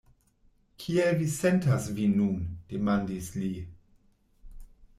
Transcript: Kiel vi sentas vin nun? demandis li.